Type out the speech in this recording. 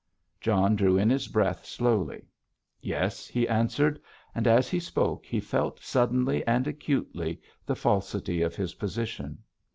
John drew in his breath slowly. "Yes," he answered, and, as he spoke, he felt suddenly and acutely the falsity of his position.